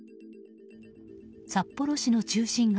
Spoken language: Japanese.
札幌市の中心街